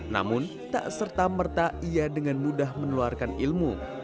namun tak serta merta ia dengan mudah menularkan ilmu